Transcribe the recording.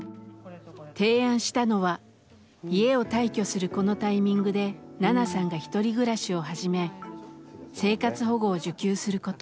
提案したのは家を退去するこのタイミングでナナさんが１人暮らしを始め生活保護を受給すること。